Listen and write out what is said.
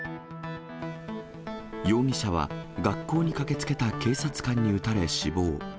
容疑者は、学校に駆けつけた警察官に撃たれ、死亡。